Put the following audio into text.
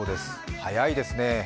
早いですね。